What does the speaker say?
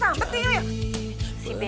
eh lo masih kesampet